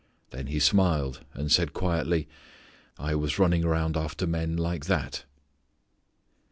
Then he smiled, and said quietly, "I was running around after men like that."